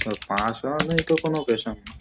কোনো হুমকির কল?